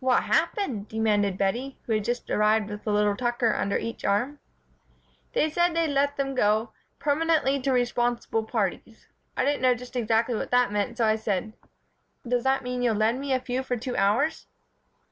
"What happened?" demanded Bettie, who had just arrived with a little Tucker under each arm. "They said they'd let them go 'permanently to responsible parties.' I didn't know just exactly what that meant, so I said: 'Does that mean that you'll lend me a few for two hours?'"